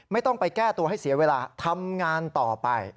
ไม่ต้องไปแก้ตัวให้เสียเวลาทำงานต่อไป